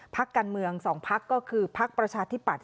พักการเมือง๒พักก็คือพักประชาธิปัตย